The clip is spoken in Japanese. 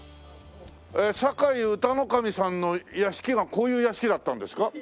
酒井雅楽頭さんの屋敷がこういう屋敷だったんですか？